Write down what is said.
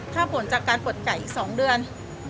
ถ้าผลจากการปลดไก่อีก๒เดือน